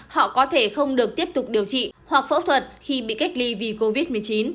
họ có thể không được tiếp tục điều trị hoặc phẫu thuật khi bị cách ly vì covid một mươi chín